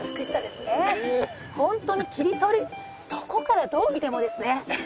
ホントに切り取るどこからどう見てもですね。